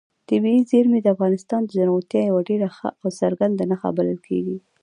طبیعي زیرمې د افغانستان د زرغونتیا یوه ډېره ښه او څرګنده نښه بلل کېږي.